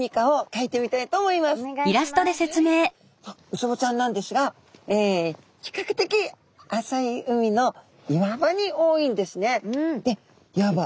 ウツボちゃんなんですが比較的浅い海の岩場に多いんですね。